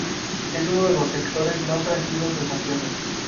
Es uno de los sectores más tranquilos de Santiago.